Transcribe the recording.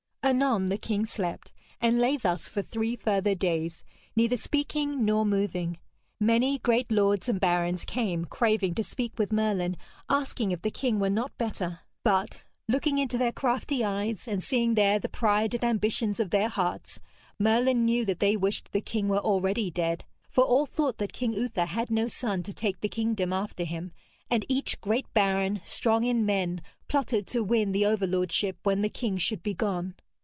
Anon the king slept, and lay thus for three further days, neither speaking nor moving. Many great lords and barons came craving to speak with Merlin, asking if the king were not better. But, looking into their crafty eyes, and seeing there the pride and ambitions of their hearts, Merlin knew that they wished the king were already dead; for all thought that King Uther had no son to take the kingdom after him, and each great baron, strong in men, plotted to win the overlordship when the king should be gone.